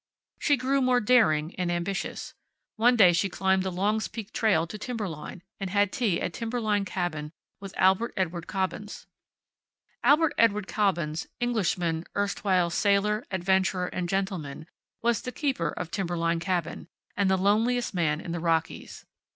She grew more daring and ambitious. One day she climbed the Long's Peak trail to timberline, and had tea at Timberline Cabin with Albert Edward Cobbins. Albert Edward Cobbins, Englishman, erstwhile sailor, adventurer and gentleman, was the keeper of Timberline Cabin, and the loneliest man in the Rockies.